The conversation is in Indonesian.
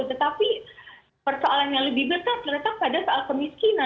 tetapi persoalan yang lebih besar terletak pada soal kemiskinan